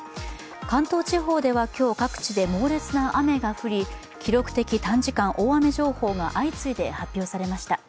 関東地方では今日各地で猛烈な雨が降り記録的短時間大雨情報が相次いで発表されました。